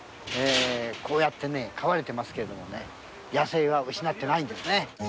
こうやって飼われていますけども野生は失っていないんですね。